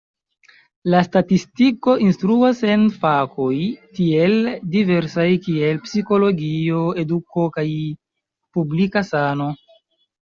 La statistiko instruas en fakoj tiel diversaj kiel psikologio, eduko kaj publika sano.